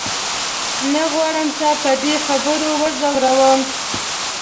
نه غواړم تا په دې خبرو وځوروم.